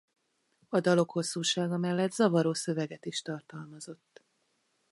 A dalok hosszúsága mellett zavaró szöveget is tartalmazott.